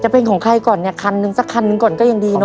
เป็นของใครก่อนเนี่ยคันหนึ่งสักคันหนึ่งก่อนก็ยังดีเนอ